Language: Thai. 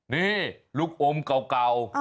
นี่ลูกอมเก่า